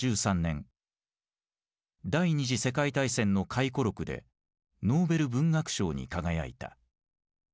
第二次世界大戦の回顧録でノーベル文学賞に輝いた。